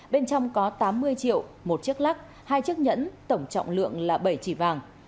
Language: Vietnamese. bên trong có tám mươi triệu một chiếc lắc hai chiếc nhẫn tổng trọng lượng là bảy chỉ vàng